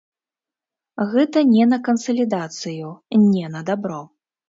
Гэта не на кансалідацыю, не на дабро!